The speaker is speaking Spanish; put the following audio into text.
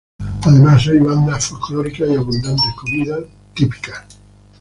Además, hay bandas folclóricas y abundantes comidas típicas.